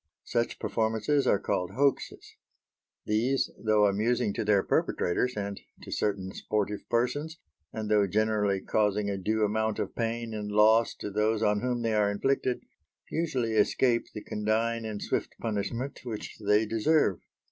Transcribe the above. Such performances are called hoaxes. These, though amusing to their perpetrators and to certain sportive persons, and though generally causing a due amount of pain and loss to those on whom they are inflicted, usually escape the condign and swift punishment which they deserve.